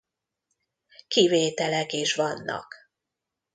Kivételek is vannak.